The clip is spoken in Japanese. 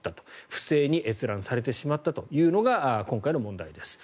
不正に閲覧されてしまったというのが今回の問題です。